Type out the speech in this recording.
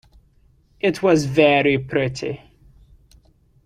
It was very pretty.